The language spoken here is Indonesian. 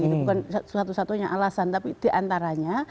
itu bukan satu satunya alasan tapi diantaranya